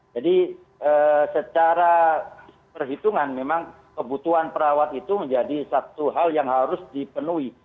jadi secara perhitungan memang kebutuhan perawat itu menjadi satu hal yang harus dipenuhi